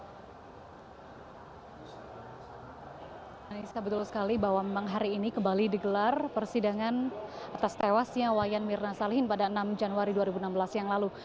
saya betul sekali bahwa memang hari ini kembali digelar persidangan atas tewasnya wayan mirna salihin pada enam januari dua ribu enam belas yang lalu